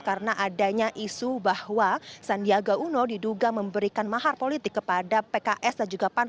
karena adanya isu bahwa sandiaga uno diduga memberikan mahar politik kepada pks dan juga pan